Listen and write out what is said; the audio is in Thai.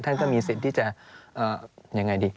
ท่านก็มีสิทธิ์ที่จะยังไงดี